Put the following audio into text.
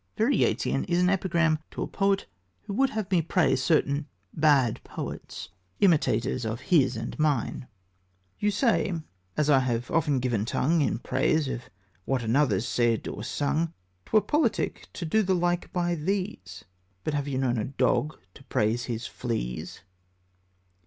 Very Yeatsian is an epigram "to a poet, who would have me praise certain bad poets, imitators of his and mine": You say, as I have often given tongue In praise of what another's said or sung, 'Twere politic to do the like by these; But have you known a dog to praise his fleas?